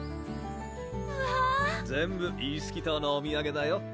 わぁ全部イースキ島のお土産だよ